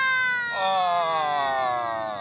ああ！